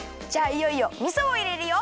いよいよみそをいれるよ！